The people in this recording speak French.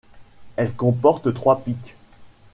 Elle comporte trois pics.